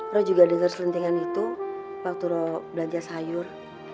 lo juga denger selentingan itu waktu lo belanja sayur